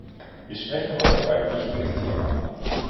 Wir sprechen heute über ein wichtiges Thema.